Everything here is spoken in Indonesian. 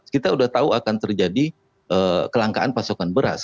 kita sudah tahu akan terjadi kelangkaan pasokan beras